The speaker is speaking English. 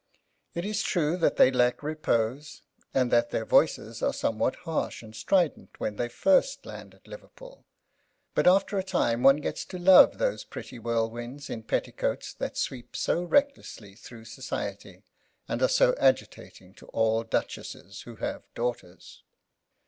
It is true that they lack repose and that their voices are somewhat harsh and strident when they land first at Liverpool; but after a time one gets to love those pretty whirlwinds in petticoats that sweep so recklessly through society and are so agitating to all duchesses who have daughters.